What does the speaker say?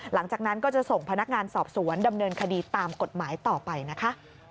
หลังจากนั้นก็จะส่งพนักงานสอบสวนดำเนินคดีตามกฎหมายต่อไปนะคะ